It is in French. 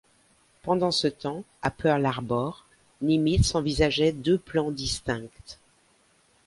Pendant ce temps, à Pearl Harbor, Nimitz envisageait deux plans distincts.